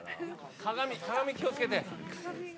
鏡、鏡、気をつけて。